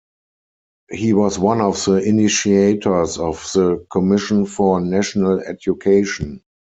He was one of the initiators of the Commission for National Education.